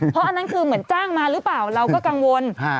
เพราะอันนั้นคือเหมือนจ้างมาหรือเปล่าเราก็กังวล